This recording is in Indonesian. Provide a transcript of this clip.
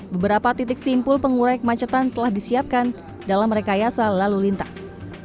beberapa titik simpul pengurai kemacetan telah disiapkan dalam rekayasa lalu lintas